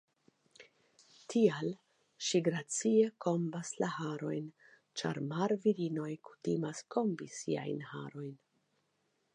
Tial ŝi gracie kombas la harojn, ĉar marvirinoj kutimas kombi siajn harojn